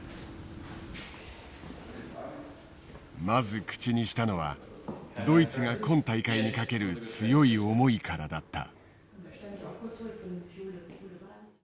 まず口にしたのはドイツが今大会にかける強い思いからだった。